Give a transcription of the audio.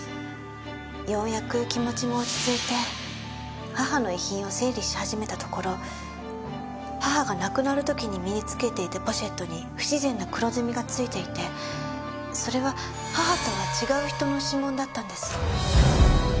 ようやく気持ちも落ち着いて母の遺品を整理し始めたところ母が亡くなる時に身につけていたポシェットに不自然な黒ずみがついていてそれは母とは違う人の指紋だったんです。